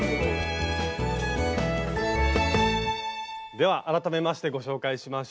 では改めましてご紹介しましょう。